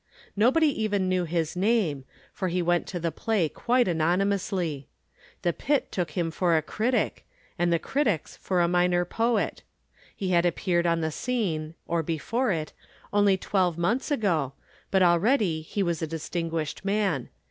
Nobody even knew his name, for he went to the play quite anonymously. The pit took him for a critic, and the critics for a minor poet. He had appeared on the scene (or before it) only twelve months ago, but already he was a distinguished man.